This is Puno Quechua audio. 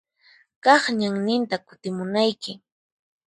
Kaq ñanninta kutimunayki.